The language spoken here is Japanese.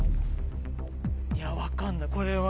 分かんないこれは。